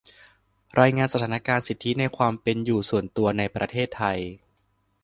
รายงานสถานการณ์สิทธิในความเป็นอยู่ส่วนตัวในประเทศไทย